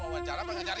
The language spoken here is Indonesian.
kayaknya ber taman haji